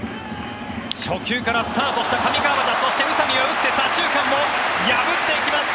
初球からスタートした上川畑そして打った宇佐見は左中間を破っていきます。